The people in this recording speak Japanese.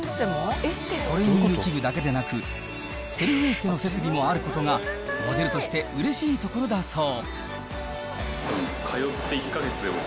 トレーニング器具だけでなくセルフエステの設備もあることがモデルとしてうれしいところだそう。